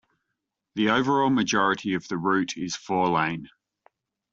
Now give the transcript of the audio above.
The overall majority of the route is four-lane.